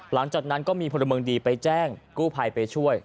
หลังจากนั้นก็มีพลเมืองดีไปแจ้งกู้ภัยไปช่วย